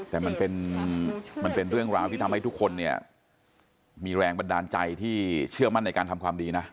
แต่มันเป็นเรื่องราวที่ทำให้ทุกคนเนี่ยมีแรงบันดาลใจที่เชื่อมั่นในการทำความดีนะ